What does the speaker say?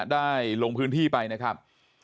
ลงพื้นที่ไปนะครับ